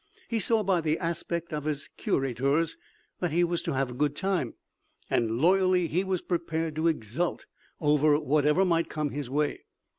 He saw by the aspect of his curators that he was to have a good time, and loyally he was prepared to exult over whatever might come his way.